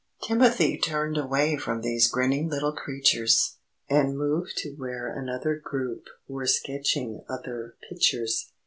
Timothy turned away from these grinning little creatures, and moved to where another group were sketching other pictures.